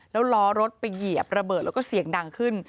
แล้วล้อรถไปเหยียบระเบิดแล้วก็เสียงดังขึ้น